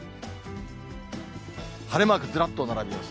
晴れマークずらっと並びます。